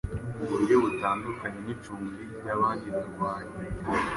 mu buryo butandukanye nicumbi ryabandi barwanyi